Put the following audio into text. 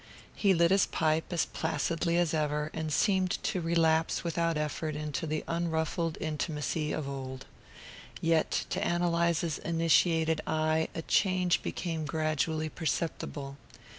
He lit his pipe as placidly as ever and seemed to relapse without effort into the unruffled intimacy of old. Yet to Ann Eliza's initiated eye a change became gradually perceptible.